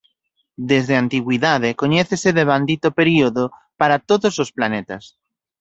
Desde a antigüidade coñécese devandito período para todos os planetas.